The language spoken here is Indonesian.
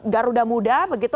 garuda muda begitu